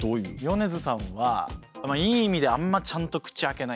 米津さんはいい意味であんまちゃんと口開けないっていう。